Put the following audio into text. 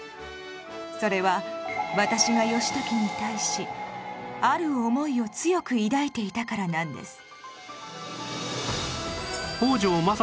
それは私が義時に対しある思いを強く抱いていたからなんです。